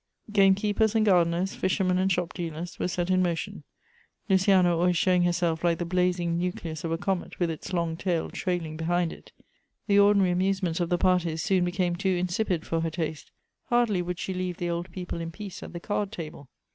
Game keepers and gardeners, fishermen and shopdealers, were set in motion, Luciana always showing herself like the blazing nucleus of a comet with its long tail trailing behind it. The ordinary amusements of the parties soon became too insipid for her taste. Hardly would she leave the old people in peace at the card table.